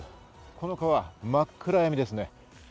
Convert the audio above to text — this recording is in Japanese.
この川は真っ暗ですね。